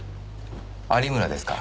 有村ですか？